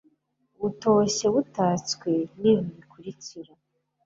butoshye butatswe n ibi bikurikira